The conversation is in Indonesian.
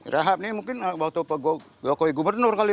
rahab nih mungkin waktu pak jokowi gubernur kali